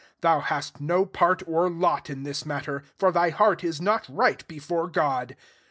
21 hou hast no part or lot in this latter: for thy heart is not ght before God.